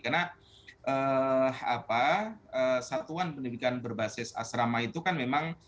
karena satuan pendidikan berbasis asrama itu kan memang